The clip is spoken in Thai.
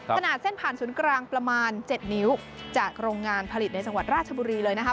ขนาดเส้นผ่านศูนย์กลางประมาณ๗นิ้วจากโรงงานผลิตในจังหวัดราชบุรีเลยนะคะ